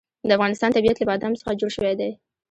د افغانستان طبیعت له بادام څخه جوړ شوی دی.